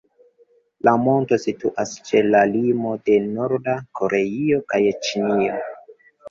La monto situas ĉe la limo de Norda Koreio kaj Ĉinio.